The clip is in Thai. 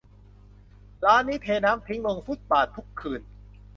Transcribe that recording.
ร้านนี้เทน้ำทิ้งลงฟุตบาททุกคืน